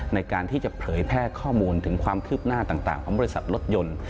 ในการที่จะเผยแพร่ข้อมูลถึงความคืบหน้าต่างของบริษัทรถยนต์